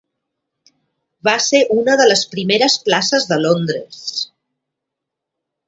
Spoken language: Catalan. Va ser una de les primeres places de Londres.